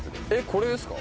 これですか？